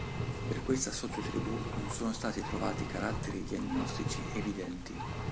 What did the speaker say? Per questa sottotribù non sono stati trovati caratteri diagnostici evidenti.